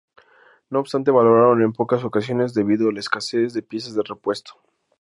No obstante volaron en pocas ocasiones, debido a la escasez de piezas de repuesto.